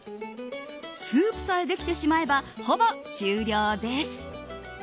スープさえできてしまえばほぼ終了です。